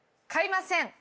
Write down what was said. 買いません